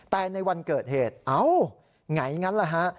แต่ในวันเกิดเหตุเอ้าไงงั้นล่ะฮะ